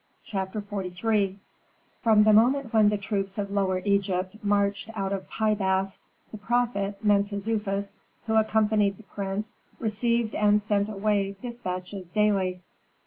CHAPTER XLIII From the moment when the troops of Lower Egypt marched out of Pi Bast, the prophet, Mentezufis, who accompanied the prince, received and sent away despatches daily.